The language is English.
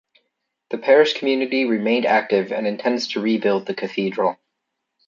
The parish community remained active, and intends to rebuild the cathedral.